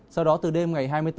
sau đó từ đêm ngày hai mươi bốn